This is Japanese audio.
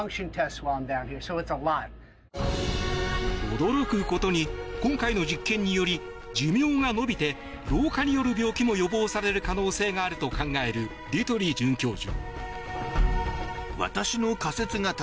驚くことに、今回の実験により寿命が延びて老化による病気も予防される可能性があると考えるディトゥリ准教授。